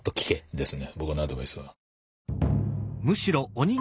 ぼくのアドバイスは。